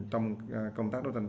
trong công tác đối tượng